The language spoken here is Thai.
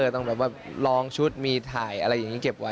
ต้องแบบว่าลองชุดมีถ่ายอะไรอย่างนี้เก็บไว้